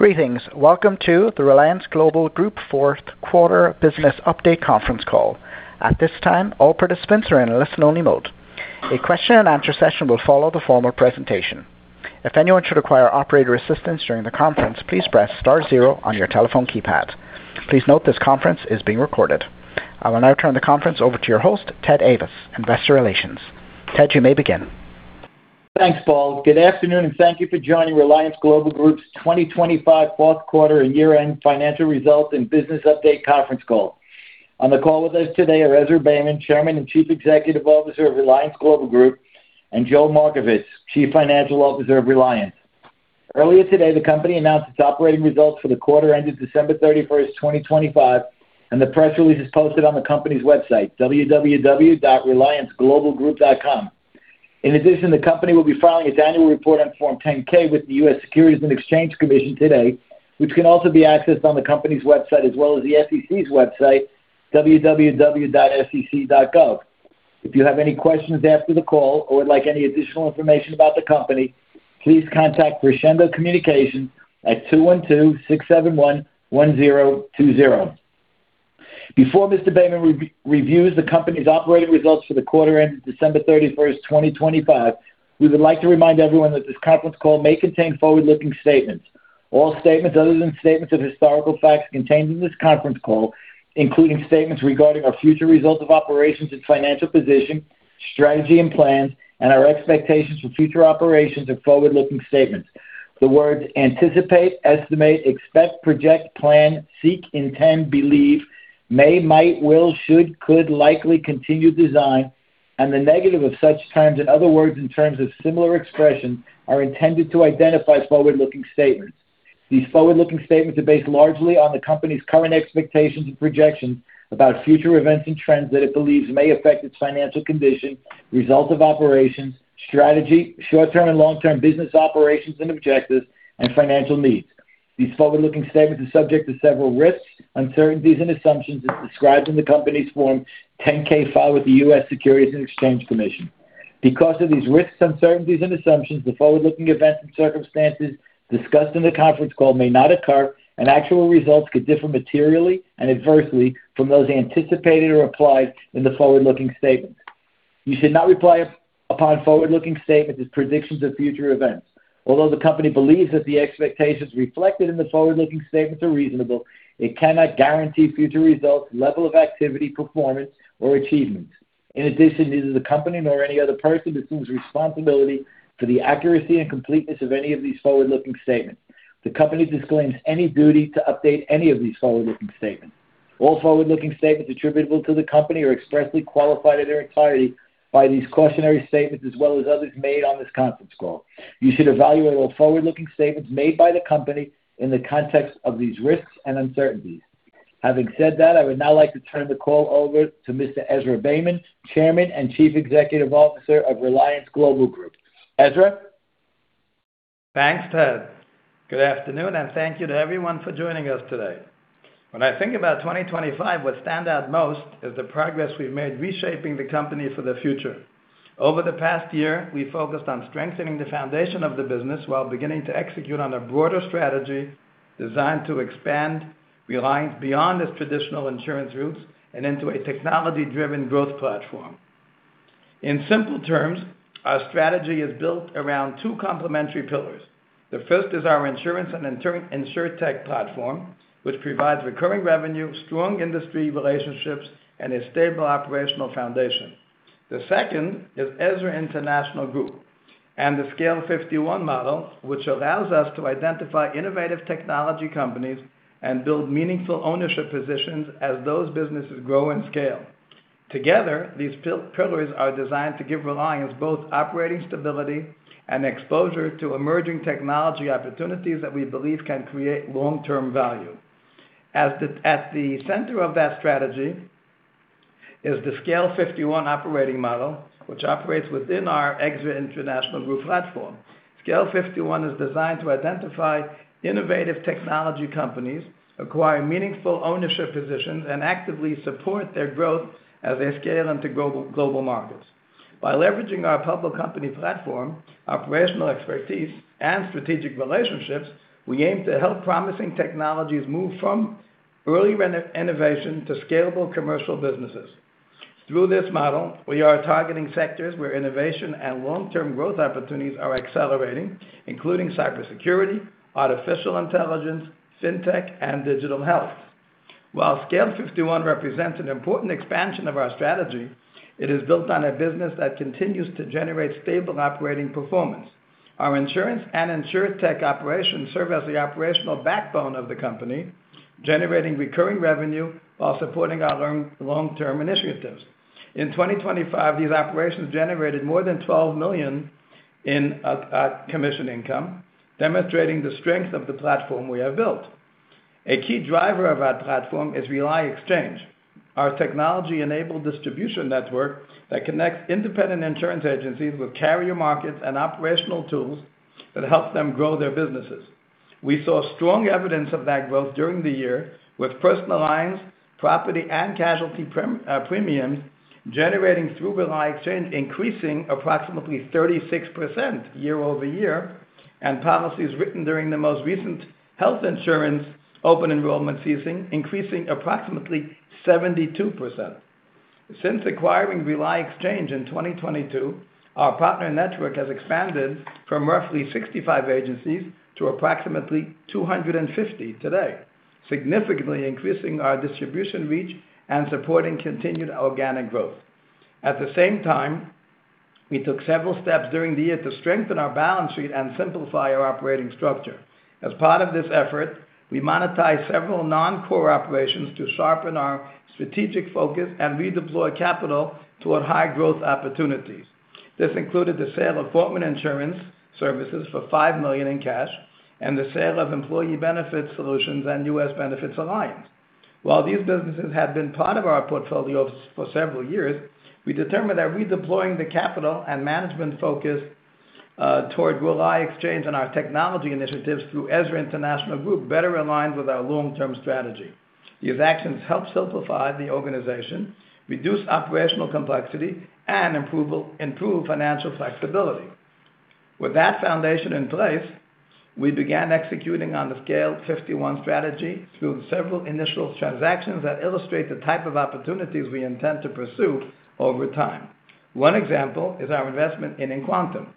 Greetings. Welcome to the Reliance Global Group Fourth Quarter Business Update conference call. At this time, all participants are in a listen-only mode. A question-and-answer session will follow the formal presentation. If anyone should require operator assistance during the conference, please press star zero on your telephone keypad. Please note this conference is being recorded. I will now turn the conference over to your host, Ted Ayvas, Investor Relations. Ted, you may begin. Thanks, Paul. Good afternoon, and thank you for joining Reliance Global Group's 2025 fourth quarter and year-end financial results and business update conference call. On the call with us today are Ezra Beyman, Chairman and Chief Executive Officer of Reliance Global Group, and Joel Markovits, Chief Financial Officer of Reliance. Earlier today, the company announced its operating results for the quarter ended December 31, 2025, and the press release is posted on the company's website, www.relianceglobalgroup.com. In addition, the company will be filing its annual report on Form 10-K with the U.S. Securities and Exchange Commission today, which can also be accessed on the company's website as well as the SEC's website, www.sec.gov. If you have any questions after the call or would like any additional information about the company, please contact Crescendo Communications at 212-671-1020. Before Mr. Ezra Beyman reviews the company's operating results for the quarter ended December 31st, 2025. We would like to remind everyone that this conference call may contain forward-looking statements. All statements other than statements of historical facts contained in this conference call, including statements regarding our future results of operations and financial position, strategy and plans, and our expectations for future operations are forward-looking statements. The words anticipate, estimate, expect, project, plan, seek, intend, believe, may, might, will, should, could, likely, continue, design, and the negative of such terms and other words and terms of similar expression are intended to identify forward-looking statements. These forward-looking statements are based largely on the company's current expectations and projections about future events and trends that it believes may affect its financial condition, results of operations, strategy, short-term and long-term business operations and objectives, and financial needs. These forward-looking statements are subject to several risks, uncertainties, and assumptions as described in the company's Form 10-K filed with the U.S. Securities and Exchange Commission. Because of these risks, uncertainties and assumptions, the forward-looking events and circumstances discussed in the conference call may not occur, and actual results could differ materially and adversely from those anticipated or implied in the forward-looking statements. You should not rely upon forward-looking statements as predictions of future events. Although the company believes that the expectations reflected in the forward-looking statements are reasonable, it cannot guarantee future results, level of activity, performance, or achievements. In addition, neither the company nor any other person assumes responsibility for the accuracy and completeness of any of these forward-looking statements. The company disclaims any duty to update any of these forward-looking statements. All forward-looking statements attributable to the company are expressly qualified in their entirety by these cautionary statements as well as others made on this conference call. You should evaluate all forward-looking statements made by the company in the context of these risks and uncertainties. Having said that, I would now like to turn the call over to Mr. Ezra Beyman, Chairman and Chief Executive Officer of Reliance Global Group. Ezra? Thanks, Ted. Good afternoon, and thank you to everyone for joining us today. When I think about 2025, what stand out most is the progress we've made reshaping the company for the future. Over the past year, we focused on strengthening the foundation of the business while beginning to execute on a broader strategy designed to expand Reliance beyond its traditional insurance roots and into a technology-driven growth platform. In simple terms, our strategy is built around two complementary pillars. The first is our insurance and insurtech platform, which provides recurring revenue, strong industry relationships, and a stable operational foundation. The second is Ezra International Group and the Scale 51 model, which allows us to identify innovative technology companies and build meaningful ownership positions as those businesses grow and scale. Together, these pillars are designed to give Reliance both operating stability and exposure to emerging technology opportunities that we believe can create long-term value. At the center of that strategy is the Scale 51 operating model, which operates within our EZRA International Group platform. Scale 51 is designed to identify innovative technology companies, acquire meaningful ownership positions, and actively support their growth as they scale into global markets. By leveraging our public company platform, operational expertise, and strategic relationships, we aim to help promising technologies move from early innovation to scalable commercial businesses. Through this model, we are targeting sectors where innovation and long-term growth opportunities are accelerating, including cybersecurity, artificial intelligence, fintech, and digital health. While Scale 51 represents an important expansion of our strategy, it is built on a business that continues to generate stable operating performance. Our insurance and insurtech operations serve as the operational backbone of the company, generating recurring revenue while supporting our long-term initiatives. In 2025, these operations generated more than $12 million in commission income, demonstrating the strength of the platform we have built. A key driver of our platform is RELI Exchange, our technology-enabled distribution network that connects independent insurance agencies with carrier markets and operational tools that help them grow their businesses. We saw strong evidence of that growth during the year with personal lines, property, and casualty premiums generating through RELI Exchange increasing approximately 36% year-over-year, and policies written during the most recent health insurance open enrollment season increasing approximately 72%. Since acquiring RELI Exchange in 2022, our partner network has expanded from roughly 65 agencies to approximately 250 today, significantly increasing our distribution reach and supporting continued organic growth. At the same time, we took several steps during the year to strengthen our balance sheet and simplify our operating structure. As part of this effort, we monetized several non-core operations to sharpen our strategic focus and redeploy capital toward high-growth opportunities. This included the sale of Fortman Insurance Services for $5 million in cash and the sale of Employee Benefits Solutions and U.S. Benefits Alliance. While these businesses had been part of our portfolio for several years, we determined that redeploying the capital and management focus toward RELI Exchange and our technology initiatives through EZRA International Group better aligned with our long-term strategy. These actions helped simplify the organization, reduce operational complexity, and appreciably improve financial flexibility. With that foundation in place, we began executing on the Scale 51 strategy through several initial transactions that illustrate the type of opportunities we intend to pursue over time. One example is our investment in Enquantum,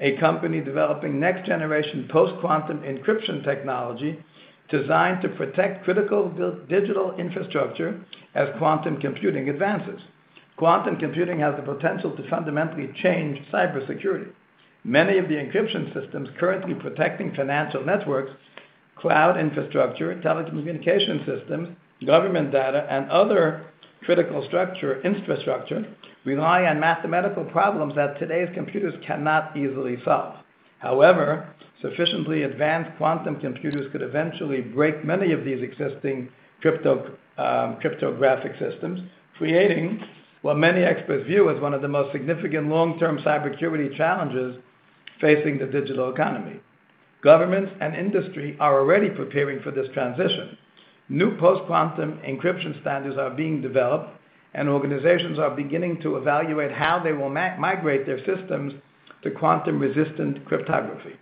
a company developing next-generation post-quantum encryption technology designed to protect critical digital infrastructure as quantum computing advances. Quantum computing has the potential to fundamentally change cybersecurity. Many of the encryption systems currently protecting financial networks, cloud infrastructure, telecommunication systems, government data, and other critical infrastructure rely on mathematical problems that today's computers cannot easily solve. However, sufficiently advanced quantum computers could eventually break many of these existing cryptographic systems, creating what many experts view as one of the most significant long-term cybersecurity challenges facing the digital economy. Governments and industry are already preparing for this transition. New post-quantum encryption standards are being developed, and organizations are beginning to evaluate how they will migrate their systems to quantum-resistant cryptography.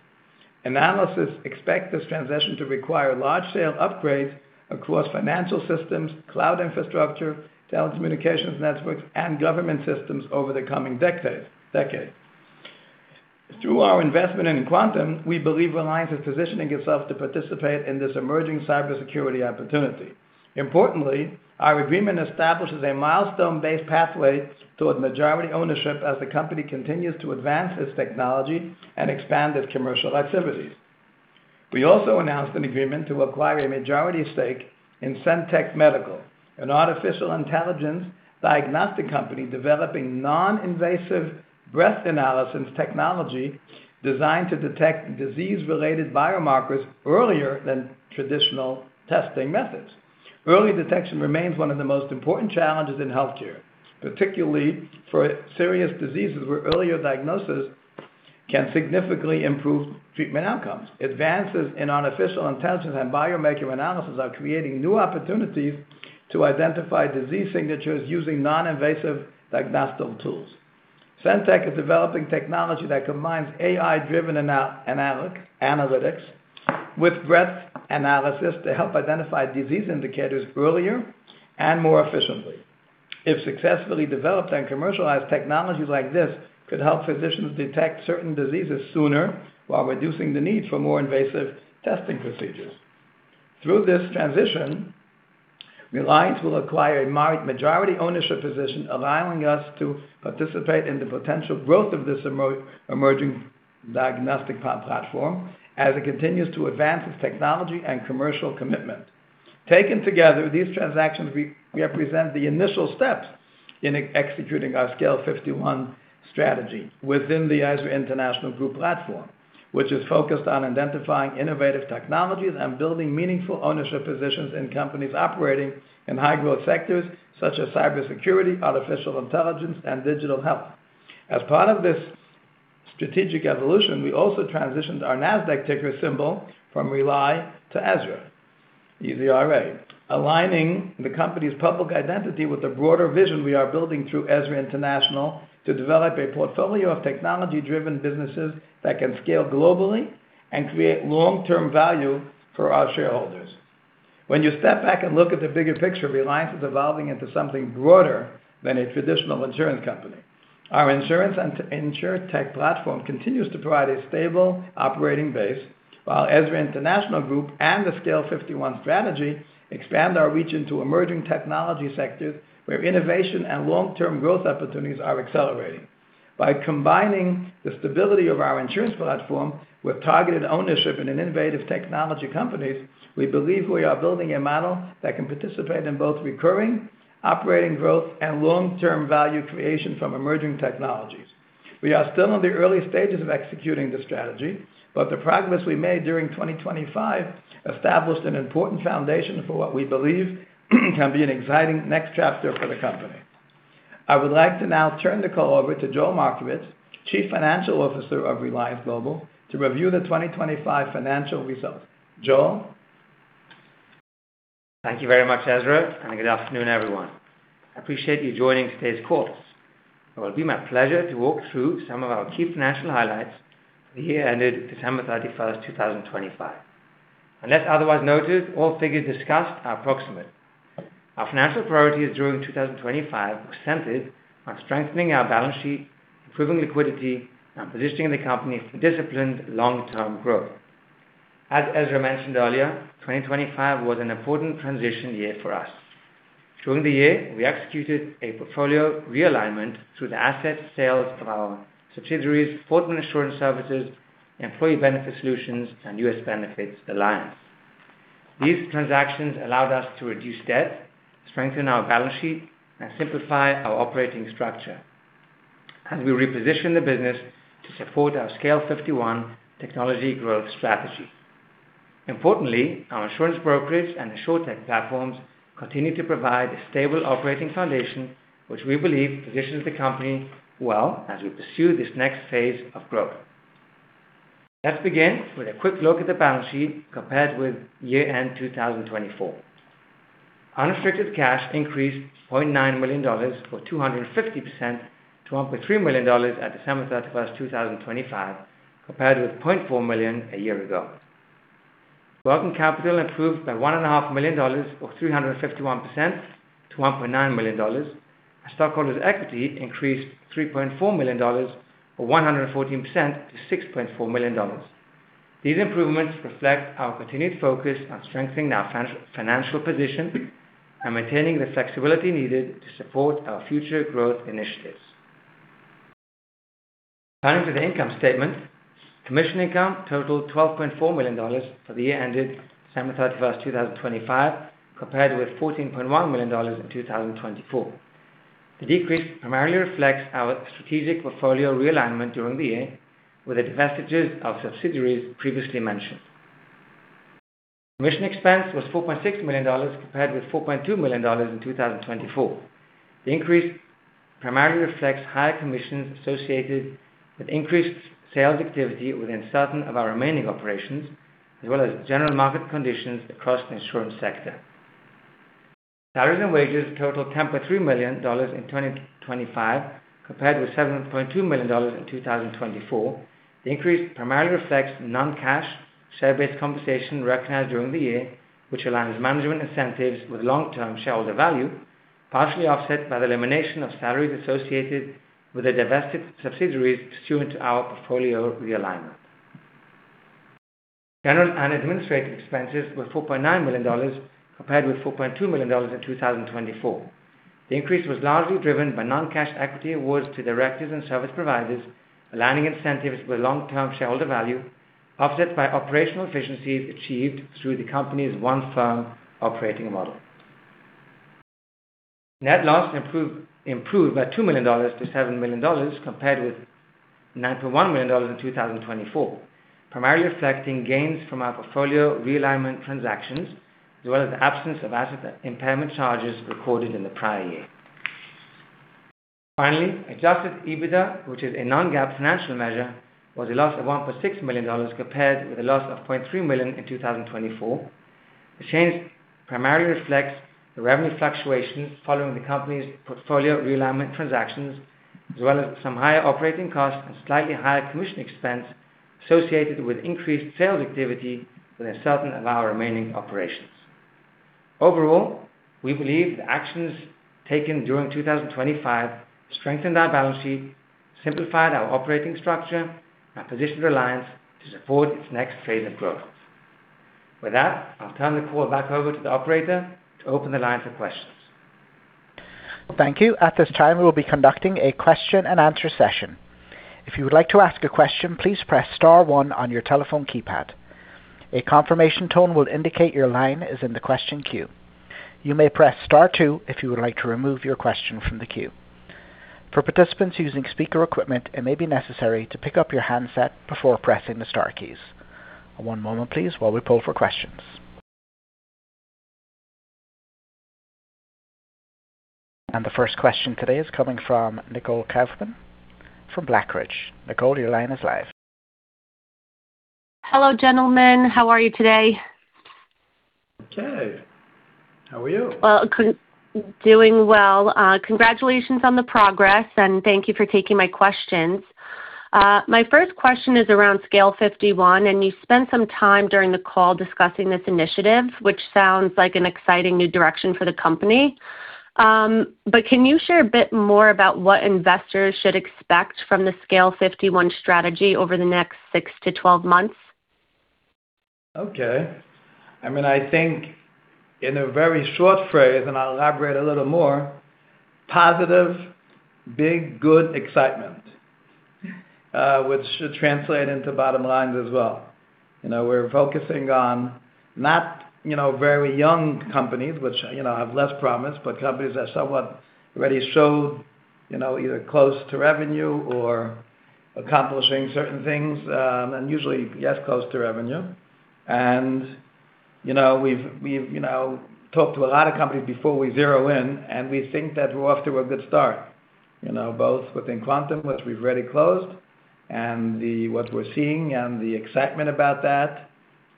Analysts expect this transition to require large-scale upgrades across financial systems, cloud infrastructure, telecommunications networks, and government systems over the coming decade. Through our investment in Enquantum, we believe Reliance is positioning itself to participate in this emerging cybersecurity opportunity. Importantly, our agreement establishes a milestone-based pathway toward majority ownership as the company continues to advance its technology and expand its commercial activities. We also announced an agreement to acquire a majority stake in Scentech Medical, an artificial intelligence diagnostic company developing non-invasive breath analysis technology designed to detect disease-related biomarkers earlier than traditional testing methods. Early detection remains one of the most important challenges in healthcare, particularly for serious diseases where earlier diagnosis can significantly improve treatment outcomes. Advances in artificial intelligence and biomarker analysis are creating new opportunities to identify disease signatures using non-invasive diagnostic tools. Scentech is developing technology that combines AI-driven analytics with breath analysis to help identify disease indicators earlier and more efficiently. If successfully developed and commercialized, technology like this could help physicians detect certain diseases sooner while reducing the need for more invasive testing procedures. Through this transition, Reliance will acquire a majority ownership position, allowing us to participate in the potential growth of this emerging diagnostic platform as it continues to advance its technology and commercial commitment. Taken together, these transactions represent the initial steps in executing our Scale 51 strategy within the EZRA International Group platform, which is focused on identifying innovative technologies and building meaningful ownership positions in companies operating in high-growth sectors such as cybersecurity, artificial intelligence, and digital health. As part of this strategic evolution, we also transitioned our NASDAQ ticker symbol from RELY to EZRA, aligning the company's public identity with the broader vision we are building through EZRA International Group to develop a portfolio of technology-driven businesses that can scale globally and create long-term value for our shareholders. When you step back and look at the bigger picture, Reliance is evolving into something broader than a traditional insurance company. Our insurance and insurtech platform continues to provide a stable operating base, while EZRA International Group and the Scale 51 strategy expand our reach into emerging technology sectors where innovation and long-term growth opportunities are accelerating. By combining the stability of our insurance platform with targeted ownership in an innovative technology companies, we believe we are building a model that can participate in both recurring operating growth and long-term value creation from emerging technologies. We are still in the early stages of executing this strategy, but the progress we made during 2025 established an important foundation for what we believe can be an exciting next chapter for the company. I would like to now turn the call over to Joel Markovits, Chief Financial Officer of Reliance Global, to review the 2025 financial results. Joel? Thank you very much, Ezra, and good afternoon, everyone. I appreciate you joining today's calls. It will be my pleasure to walk through some of our key financial highlights for the year ended December 31st, 2025. Unless otherwise noted, all figures discussed are approximate. Our financial priorities during 2025 were centered on strengthening our balance sheet, improving liquidity, and positioning the company for disciplined long-term growth. As Ezra mentioned earlier, 2025 was an important transition year for us. During the year, we executed a portfolio realignment through the asset sales of our subsidiaries, Fortman Insurance Services, Employee Benefits Solutions, and U.S. Benefits Alliance. These transactions allowed us to reduce debt, strengthen our balance sheet, and simplify our operating structure as we reposition the business to support our Scale 51 technology growth strategy. Importantly, our insurance brokerage and insurtech platforms continue to provide a stable operating foundation, which we believe positions the company well as we pursue this next phase of growth. Let's begin with a quick look at the balance sheet compared with year-end 2024. Unrestricted cash increased $0.9 million or 250% to $1.3 million at December 31st, 2025, compared with $0.4 million a year ago. Working capital improved by $1.5 million or 351% to $1.9 million. Our stockholders' equity increased $3.4 million or 114% to $6.4 million. These improvements reflect our continued focus on strengthening our financial position and maintaining the flexibility needed to support our future growth initiatives. Turning to the income statement, commission income totaled $12.4 million for the year ended December 31st, 2025, compared with $14.1 million in 2024. The decrease primarily reflects our strategic portfolio realignment during the year with the divestitures of subsidiaries previously mentioned. Commission expense was $4.6 million compared with $4.2 million in 2024. The increase primarily reflects higher commissions associated with increased sales activity within certain of our remaining operations, as well as general market conditions across the insurance sector. Salaries and wages totaled $10.3 million in 2025, compared with $7.2 million in 2024. The increase primarily reflects non-cash share-based compensation recognized during the year, which aligns management incentives with long-term shareholder value, partially offset by the elimination of salaries associated with the divested subsidiaries pursuant to our portfolio realignment. General and administrative expenses were $4.9 million, compared with $4.2 million in 2024. The increase was largely driven by non-cash equity awards to directors and service providers, aligning incentives with long-term shareholder value, offset by operational efficiencies achieved through the company's One-Firm operating model. Net loss improved by $2 million-$7 million, compared with $9.1 million in 2024, primarily reflecting gains from our portfolio realignment transactions, as well as the absence of asset impairment charges recorded in the prior year. Finally, adjusted EBITDA, which is a non-GAAP financial measure, was a loss of $1.6 million compared with a loss of $0.3 million in 2024. The change primarily reflects the revenue fluctuations following the company's portfolio realignment transactions, as well as some higher operating costs and slightly higher commission expense associated with increased sales activity within certain of our remaining operations. Overall, we believe the actions taken during 2025 strengthened our balance sheet, simplified our operating structure, and positioned Reliance to support its next phase of growth. With that, I'll turn the call back over to the operator to open the line for questions. Thank you. At this time, we will be conducting a question and answer session. If you would like to ask a question, please press star one on your telephone keypad. A confirmation tone will indicate your line is in the question queue. You may press star two if you would like to remove your question from the queue. For participants using speaker equipment, it may be necessary to pick up your handset before pressing the star keys. One moment please while we pull for questions. The first question today is coming from Nicole Calvin from BlackRidge. Nicole, your line is live. Hello, gentlemen. How are you today? Okay. How are you? Well, doing well. Congratulations on the progress, and thank you for taking my questions. My first question is around Scale 51, and you spent some time during the call discussing this initiative, which sounds like an exciting new direction for the company. Can you share a bit more about what investors should expect from the Scale 51 strategy over the next six-12 months? Okay. I mean, I think in a very short phrase, and I'll elaborate a little more, positive, big, good excitement, which should translate into bottom lines as well. You know, we're focusing on not, you know, very young companies which, you know, have less promise, but companies that somewhat already showed, you know, either close to revenue or accomplishing certain things, and usually yes, close to revenue. You know, we've you know, talked to a lot of companies before we zero in, and we think that we're off to a good start. You know, both within Enquantum, which we've already closed, and what we're seeing and the excitement about that.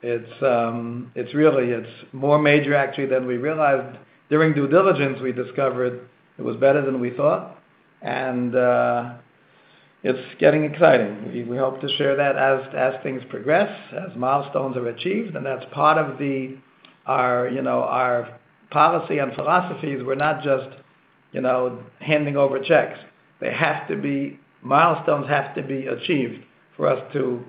It's really more major actually than we realized. During due diligence, we discovered it was better than we thought, and it's getting exciting. We hope to share that as things progress, as milestones are achieved. That's part of our policy and philosophies. We're not just handing over checks. There has to be milestones have to be achieved for us to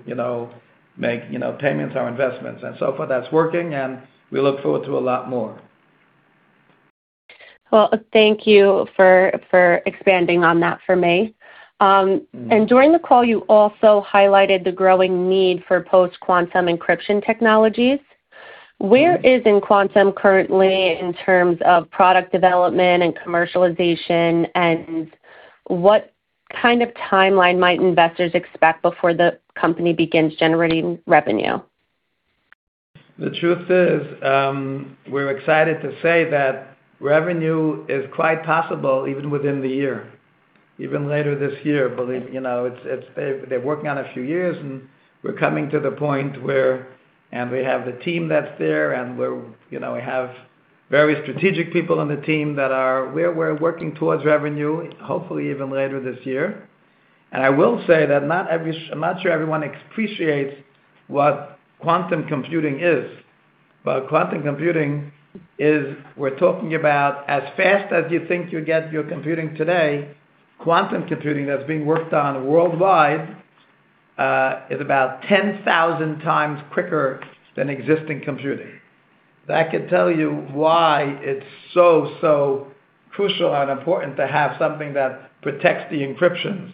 make payments on investments. So far, that's working, and we look forward to a lot more. Well, thank you for expanding on that for me. Mm-hmm. During the call, you also highlighted the growing need for post-quantum encryption technologies. Mm-hmm. Where is Enquantum currently in terms of product development and commercialization, and what kind of timeline might investors expect before the company begins generating revenue? The truth is, we're excited to say that revenue is quite possible even within the year, even later this year. You know, it's that they've worked for a few years, and we're coming to the point where we have the team that's there, and you know, we have very strategic people on the team. We're working towards revenue, hopefully even later this year. I will say that I'm not sure everyone appreciates what quantum computing is. Quantum computing is what we're talking about as fast as you think you get your computing today. Quantum computing that's being worked on worldwide is about 10,000 times quicker than existing computing. That could tell you why it's so crucial and important to have something that protects the encryptions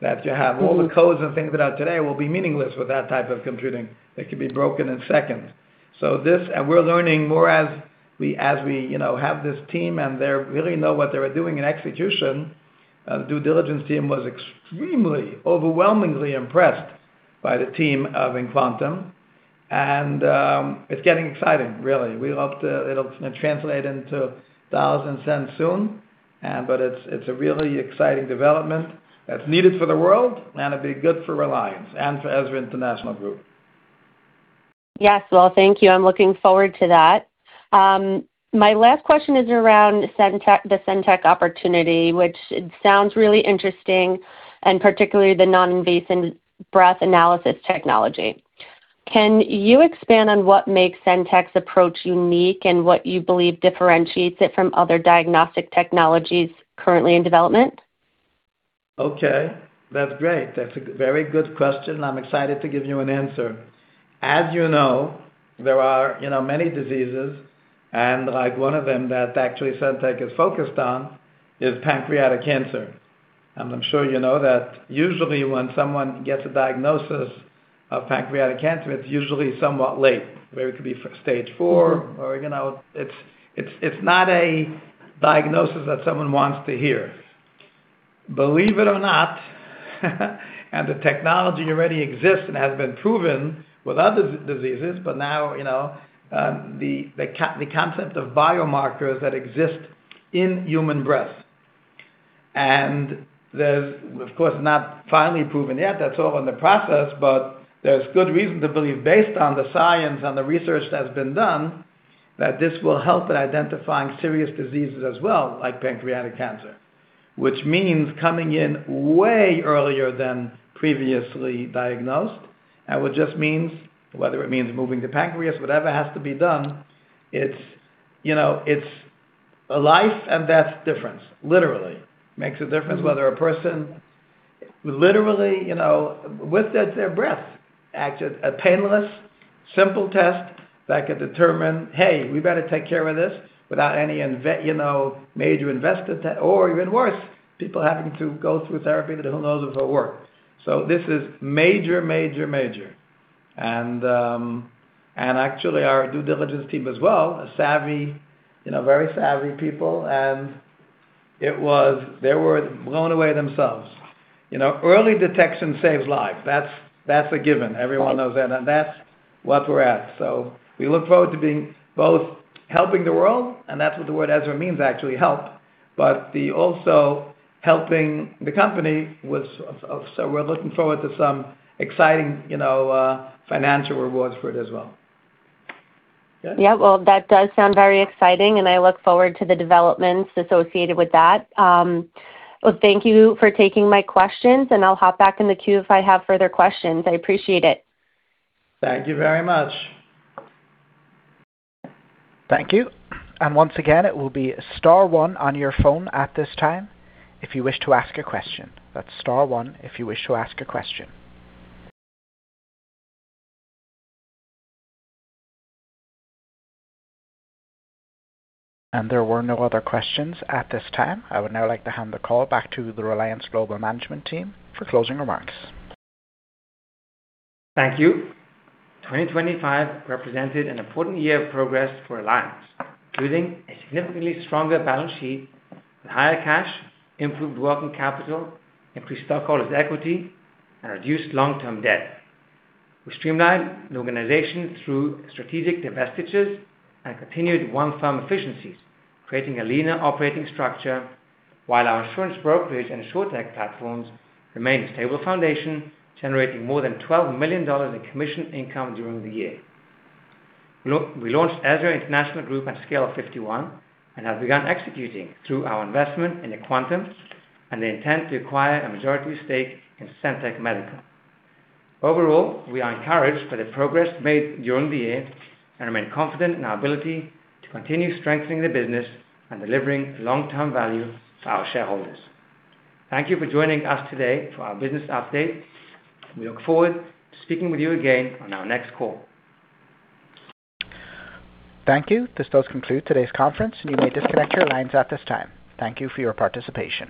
that you have. Mm-hmm. All the codes and things that are today will be meaningless with that type of computing. They could be broken in seconds. This and we're learning more as we you know have this team, and they really know what they were doing in execution. The due diligence team was extremely, overwhelmingly impressed by the team of Enquantum. It's getting exciting, really. It'll translate into dollars and cents soon. It's a really exciting development that's needed for the world, and it'd be good for Reliance and for EZRA International Group. Yes. Well, thank you. I'm looking forward to that. My last question is around Scentech, the Scentech opportunity, which it sounds really interesting and particularly the non-invasive breath analysis technology. Can you expand on what makes Scentech's approach unique and what you believe differentiates it from other diagnostic technologies currently in development? Okay. That's great. That's a very good question. I'm excited to give you an answer. As you know, there are, you know, many diseases, and like one of them that actually Scentech is focused on is pancreatic cancer. I'm sure you know that usually when someone gets a diagnosis of pancreatic cancer, it's usually somewhat late. They could be stage four or, you know. It's not a diagnosis that someone wants to hear. Believe it or not, and the technology already exists and has been proven with other diseases, but now, you know, the concept of biomarkers that exist in human breath. There's, of course, not finally proven yet. That's all in the process, but there's good reason to believe, based on the science and the research that's been done, that this will help in identifying serious diseases as well, like pancreatic cancer. Which means coming in way earlier than previously diagnosed, and which just means whether it means removing the pancreas, whatever has to be done, it's, you know, it's a life, and that's difference, literally. Mm-hmm. Makes a difference whether a person literally, you know, with just their breath. Actually, a painless, simple test that could determine, "Hey, we better take care of this without any invasive, you know, major invasive treatment or even worse, people having to go through therapy that who knows if it'll work." This is major, major. Actually our due diligence team as well, a savvy, you know, very savvy people. They were blown away themselves. You know, early detection saves lives. That's a given. Of course. Everyone knows that, and that's what we're at. We look forward to being both helping the world, and that's what the word Ezra means, actually, help. We're looking forward to some exciting, you know, financial rewards for it as well. Yeah. Yeah. Well, that does sound very exciting, and I look forward to the developments associated with that. Well, thank you for taking my questions, and I'll hop back in the queue if I have further questions. I appreciate it. Thank you very much. Thank you. Once again, it will be star one on your phone at this time if you wish to ask a question. That's star one if you wish to ask a question. There were no other questions at this time. I would now like to hand the call back to the Reliance Global management team for closing remarks. Thank you. 2025 represented an important year of progress for Reliance, including a significantly stronger balance sheet with higher cash, improved working capital, increased stockholders' equity, and reduced long-term debt. We streamlined the organization through strategic divestitures and continued One-Firm efficiencies, creating a leaner operating structure. While our insurance brokerage and insurtech platforms remain a stable foundation, generating more than $12 million in commission income during the year. We launched EZRA International Group at Scale 51 and have begun executing through our investment in Enquantum and the intent to acquire a majority stake in Scentech Medical. Overall, we are encouraged by the progress made during the year and remain confident in our ability to continue strengthening the business and delivering long-term value for our shareholders. Thank you for joining us today for our business update. We look forward to speaking with you again on our next call. Thank you. This does conclude today's conference, and you may disconnect your lines at this time. Thank you for your participation.